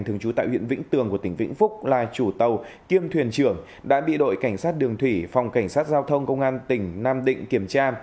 thường trú tại huyện vĩnh tường của tỉnh vĩnh phúc là chủ tàu kiêm thuyền trưởng đã bị đội cảnh sát đường thủy phòng cảnh sát giao thông công an tỉnh nam định kiểm tra